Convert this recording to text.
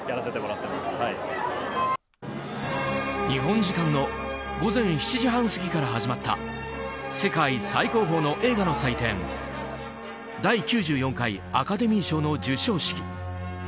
日本時間の午前７時半過ぎから始まった世界最高峰の映画の祭典第９４回アカデミー賞の授賞式。